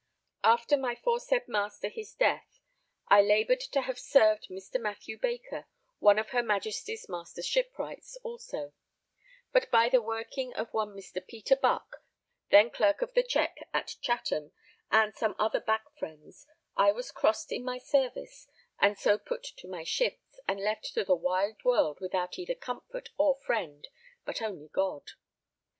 After my foresaid master his death, I laboured to have served Mr. Mathew Baker, one of her Majesty's Master Shipwrights also; but by the working of one Mr. Peter Buck, then Clerk of the Check at Chatham, and some other back friends, I was crossed in my service and so put to my shifts, and left to the wide world without either comfort or friend, but only God.